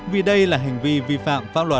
vì đây là hành vi vi phạm pháp luật